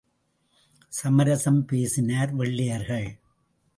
சமரசம் பேசினர் வெள்ளையர்கள்.